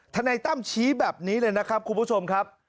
นายตั้มชี้แบบนี้เลยนะครับคุณผู้ชมครับ